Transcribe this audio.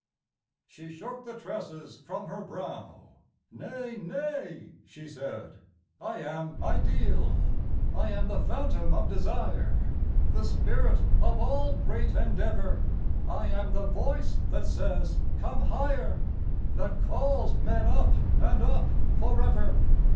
She shook the tresses from her brow. "Nay, nay!" she said, "I am ideal. I am the phantom of desire— The spirit of all great endeavour, I am the voice that says, 'Come higher,' That calls men up and up for ever.